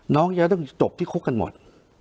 น้องจะต้องจบที่คุกกันหมด